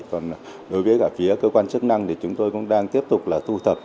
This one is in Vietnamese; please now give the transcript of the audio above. còn đối với cả phía cơ quan chức năng thì chúng tôi cũng đang tiếp tục là thu thập